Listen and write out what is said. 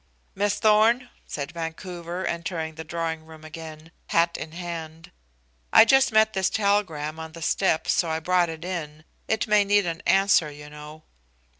"Miss Thorn," said Vancouver, entering the drawing room again, hat in hand, "I just met this telegram on the steps, so I brought it in. It may need an answer, you know."